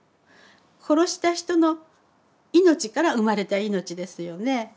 殺した人の命から生まれた命ですよね。